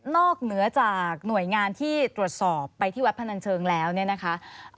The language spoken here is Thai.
เหนือจากหน่วยงานที่ตรวจสอบไปที่วัดพนันเชิงแล้วเนี่ยนะคะ